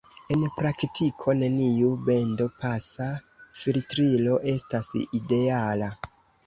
En praktiko, neniu bendo-pasa filtrilo estas ideala.